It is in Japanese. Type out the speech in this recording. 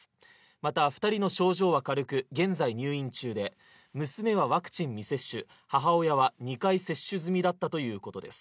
また２人の症状は軽く、現在入院中で娘はワクチン未接種母親は２回接種済みだったということです。